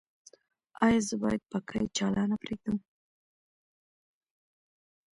ایا زه باید پکۍ چالانه پریږدم؟